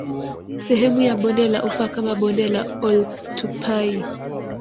Sehemu ya Bonde la Ufa kama Bonde la Oltupai